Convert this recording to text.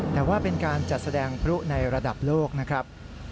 แต่ว่าเป็นการจัดแสดงพลุในระดับโลกนะครับ